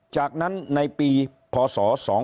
จากนั้นในปีพศ๒๕๖